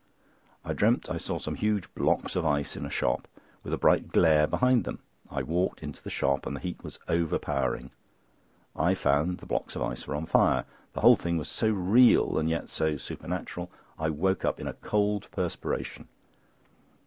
I dreamt I saw some huge blocks of ice in a shop with a bright glare behind them. I walked into the shop and the heat was overpowering. I found that the blocks of ice were on fire. The whole thing was so real and yet so supernatural I woke up in a cold perspiration.